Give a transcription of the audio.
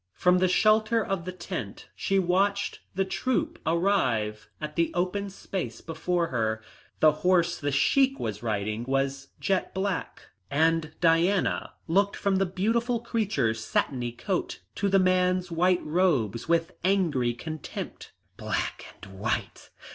From the shelter of the tent she watched the troop arrive at the open space before her. The horse the Sheik was riding was jet black, and Diana looked from the beautiful creature's satiny coat to the man's white robes with angry contempt. "Black and white!